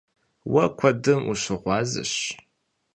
Уэ куэдым ущыгъуазэщ.